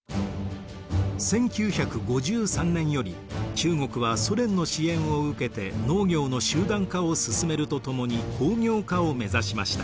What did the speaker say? １９５３年より中国はソ連の支援を受けて農業の集団化を進めるとともに工業化を目指しました。